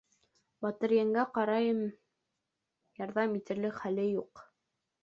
Батырйәнгә ҡарайым, ярҙам итерлек хәле юҡ.